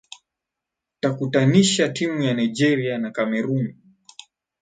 takutanisha timu ya nigeria na cameroon